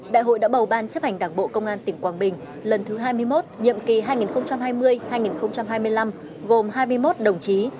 đại hội đã bầu ban chấp hành đảng bộ công an tỉnh quảng bình lần thứ hai mươi một nhiệm kỳ hai nghìn hai mươi hai nghìn hai mươi năm gồm hai mươi một đồng chí